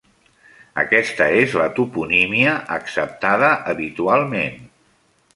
Aquesta és la toponímia acceptada habitualment.